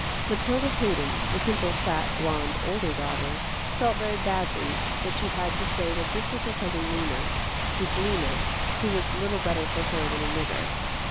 Mathilda Haydon, the simple, fat, blonde, older daughter felt very badly that she had to say that this was her cousin Lena, this Lena who was little better for her than a nigger.